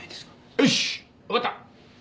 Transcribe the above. よしわかった！